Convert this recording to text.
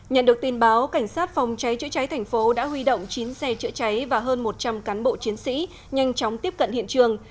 nhận được tin báo cảnh sát phòng cháy chữa cháy thành phố đã huy động chín xe chữa cháy và hơn một trăm linh cán bộ chiến sĩ nhanh chóng tiếp cận hiện trường